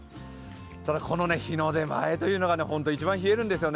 ただこの日の出前というのが一番冷えるんですよね。